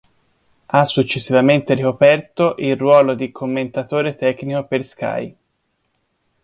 Ha successivamente ricoperto il ruolo di commentatore tecnico per Sky.